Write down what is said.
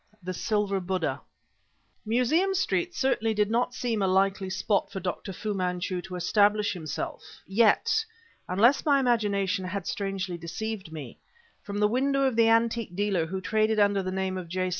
THE SILVER BUDDHA Museum Street certainly did not seem a likely spot for Dr. Fu Manchu to establish himself, yet, unless my imagination had strangely deceived me, from the window of the antique dealer who traded under the name of J.